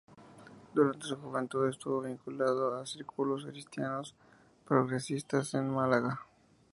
Durante su juventud estuvo vinculado a círculos cristianos progresistas en Málaga.